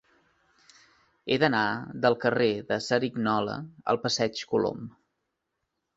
He d'anar del carrer de Cerignola al passeig de Colom.